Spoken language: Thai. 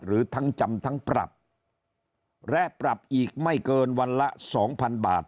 หรือทั้งจำทั้งปรับและปรับอีกไม่เกินวันละสองพันบาท